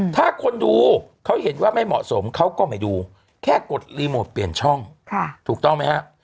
ถ้าคนดูเขาเห็นว่าไม่เหมาะสมเขาก็ไม่ดูแค่กดรีโมทเปลี่ยนช่องถูกต้องไหมฮะ